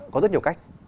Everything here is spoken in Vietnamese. có rất nhiều cách